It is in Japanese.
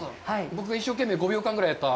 僕が一生懸命５秒間ぐらいやった。